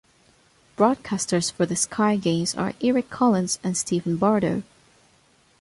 Broadcasters for the Sky games are Eric Collins and Stephen Bardo.